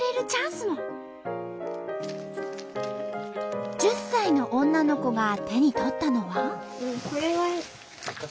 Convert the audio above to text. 時には１０歳の女の子が手に取ったのは。